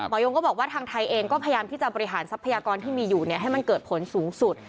ยงก็บอกว่าทางไทยเองก็พยายามที่จะบริหารทรัพยากรที่มีอยู่ให้มันเกิดผลสูงสุด